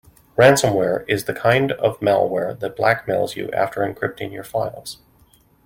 Ransomware is the kind of malware that blackmails you after encrypting your files.